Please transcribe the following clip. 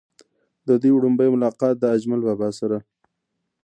د دوي وړومبے ملاقات د اجمل بابا سره